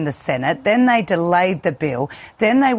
di senat dengan bil ini